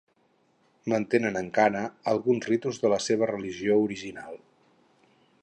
Mantenen encara alguns ritus de la seva religió original.